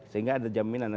sehingga ada jaminan